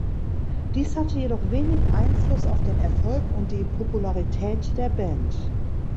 Dies hatte jedoch wenig Einfluss auf den Erfolg und die Popularität der Band.